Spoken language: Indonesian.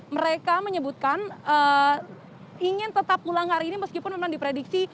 mereka menyebutkan ingin tetap pulang hari ini meskipun memang diprediksi